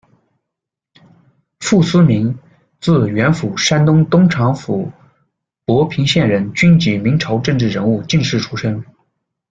傅思明，字远甫，山东东昌府博平县人，军籍，明朝政治人物、进士出身。